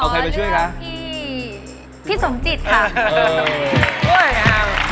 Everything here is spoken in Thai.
ขอเลือกพี่พิสมทิศค่ะ